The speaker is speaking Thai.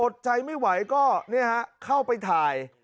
ใจไม่ไหวก็เข้าไปถ่าย